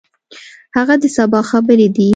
هغه د سبا خبرې دي.